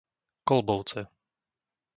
Kolbovce